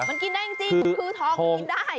มันกินได้จริงคือทองมันกินได้